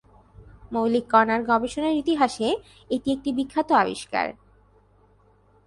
মৌলিক কণার গবেষণার ইতিহাসে এটি একটি বিখ্যাত আবিষ্কার।